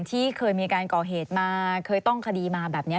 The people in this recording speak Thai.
ที่เคยมีการก่อเหตุมาเคยต้องคดีมาแบบนี้